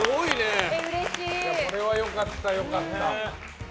これは良かった、良かった。